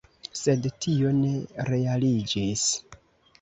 Sed tio ne realiĝis.